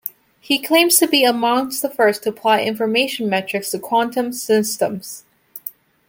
He claims to be amongst the first to apply information metrics to quantum systems.